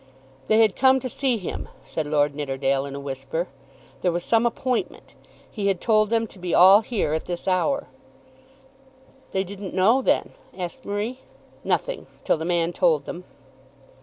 "They had come to see him," said Lord Nidderdale in a whisper. "There was some appointment. He had told them to be all here at this hour." "They didn't know, then?" asked Marie. "Nothing, till the man told them."